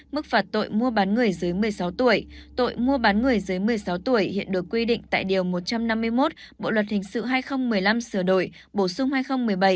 mức phạt tội mua bán người dưới một mươi sáu tuổi tội mua bán người dưới một mươi sáu tuổi hiện được quy định tại điều một trăm năm mươi một bộ luật hình sự hai nghìn một mươi năm sửa đổi bổ sung hai nghìn một mươi bảy